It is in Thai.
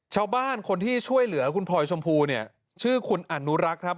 ชาวบ้านคนที่ช่วยเหลือคุณพลอยชมพูเนี่ยชื่อคุณอนุรักษ์ครับ